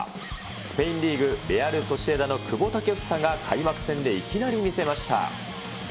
スペインリーグ、レアル・ソシエダの久保建英が開幕戦でいきなり見せました。